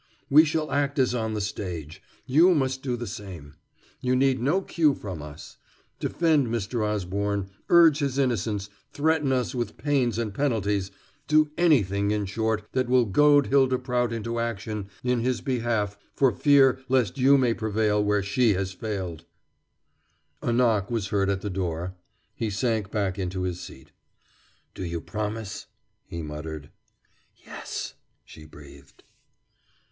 We shall act as on the stage; you must do the same. You need no cue from us. Defend Mr. Osborne; urge his innocence; threaten us with pains and penalties; do anything, in short, that will goad Hylda Prout into action in his behalf for fear lest you may prevail where she has failed." A knock was heard at the door. He sank back into his seat. "Do you promise?" he muttered. "Yes," she breathed.